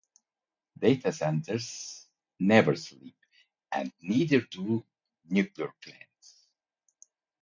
Data centers never sleep, and neither do nuclear plants.